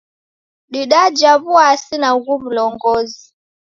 Didaja w'uasi na ughu w'ulongozi.